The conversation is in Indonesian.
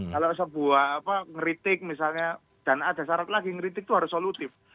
kalau sebuah ngeritik misalnya dan ada syarat lagi ngeritik itu harus solutif